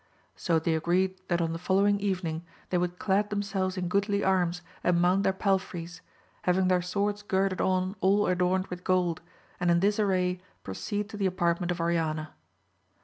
So they agreed that on the following evening they would clad themselves in goodly arms, and mount their palfreys ; having their swords girded on all adorned with gold, and in this array proceed to the apartment of Oriana.